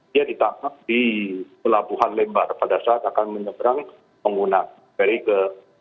dia ditangkap di pelabuhan lembar pada saat akan menyeberang pengguna beri ke